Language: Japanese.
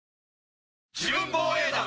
自分防衛団！